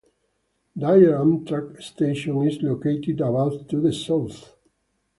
Dyer Amtrak station is located about to the south.